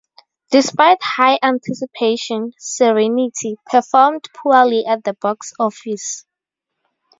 Despite high anticipation, "Serenity" performed poorly at the box office.